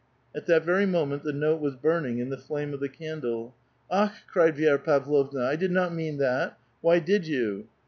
At that very moment the note was burning in the flame of the candle. ^^Akkl" cried Vi6ra Pavlovna; ''I did not mean that! why did you